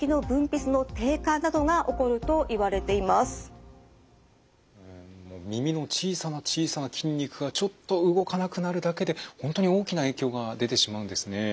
顔面神経がうまく働きませんと耳の小さな小さな筋肉がちょっと動かなくなるだけで本当に大きな影響が出てしまうんですね。